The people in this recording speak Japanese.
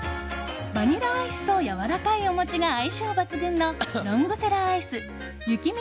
バニラアイスとやわらかいお餅が相性抜群のロングセラーアイス雪見